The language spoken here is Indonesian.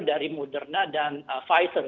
dari moderna dan pfizer